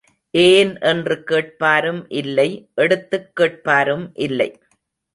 ஏன் என்று கேட்பாரும் இல்லை எடுத்துக் கேட்பாரும் இல்லை.